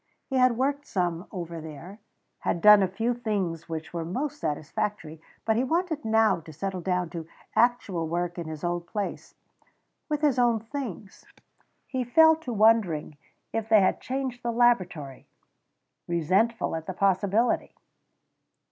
He had worked some over there, had done a few things which were most satisfactory, but he wanted now to settle down to actual work in his old place, 'with his own things. He fell to wondering if they had changed the laboratory, resentful at the possibility.